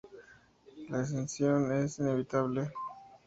La escisión es inevitable.